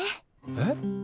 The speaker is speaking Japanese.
えっ？